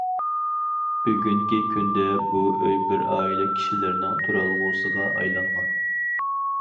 بۈگۈنكى كۈندە بۇ ئۆي بىر ئائىلە كىشىلىرىنىڭ تۇرالغۇسىغا ئايلانغان.